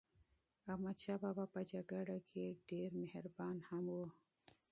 احمدشاه بابا په جګړه کې ډېر مهربان هم و.